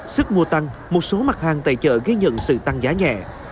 sức mua tăng một số mặt hàng tại chợ ghi nhận sự tăng giá nhẹ